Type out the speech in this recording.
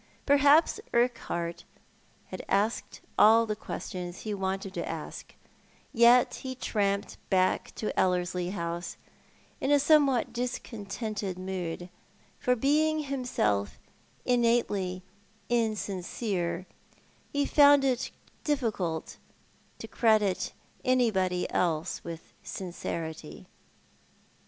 Perhaps Urquhart had asked all the ques tions he wanted to ask, yet he tramped back to EUerslie House in a somewhat discontented mood, for being himself innately insincere, he found it difficult to credit anybody else with sincerity.